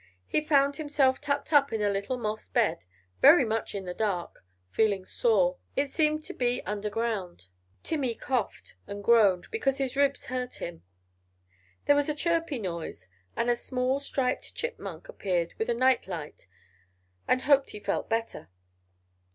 He found himself tucked up in a little moss bed, very much in the dark, feeling sore; it seemed to be under ground. Timmy coughed and groaned, because his ribs hurted him. There was a chirpy noise, and a small striped Chipmunk appeared with a night light, and hoped he felt better?